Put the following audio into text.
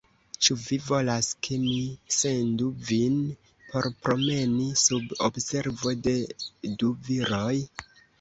Ĉu vi volas, ke mi sendu vin por promeni, sub observo de du viroj?